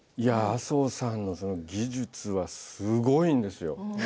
麻生さんの技術はすごいんですよ。